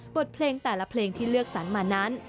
บทเพลงแต่ละเพลงที่เลือกสรรมานั้น